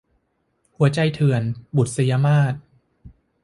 หัวใจเถื่อน - บุษยมาส